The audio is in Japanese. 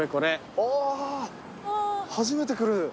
あぁー初めて来る。